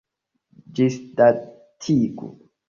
Ĝisdatigu!